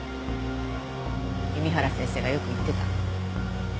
弓原先生がよく言ってた。